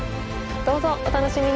どうぞお楽しみに！